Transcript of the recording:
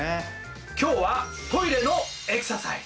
今日はトイレのエクササイズ。